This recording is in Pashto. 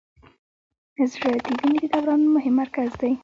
زړه د وینې د دوران مهم مرکز دی.